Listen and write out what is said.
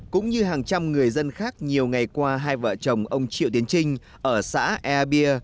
cũng như hàng trăm người dân khác nhiều ngày qua hai vợ chồng ông triệu tiến trinh ở xã ea bia